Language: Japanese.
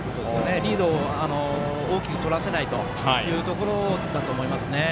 リードを大きく取らせないということだと思います。